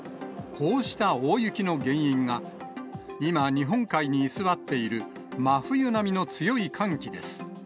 こうした大雪の原因が、今、日本海に居座っている真冬並みの強い寒気です。